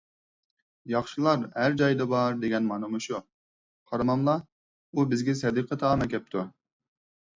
ياخشىلار ھەر جايدا بار، دېگەن مانا شۇ، قارىماملا، ئۇ بىزگە سەدىقە تائام ئەكەپتۇ!